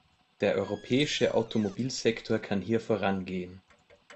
Der europäische Automobilsektor kann hier vorangehen.